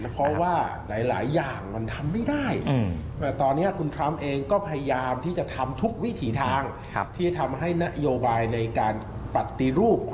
เพราะว่าหลายอย่างมันทำไม่ได้